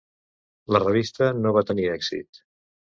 La revista no va tenir èxit.